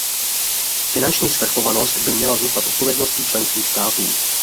Finanční svrchovanost by měla zůstat odpovědností členských států.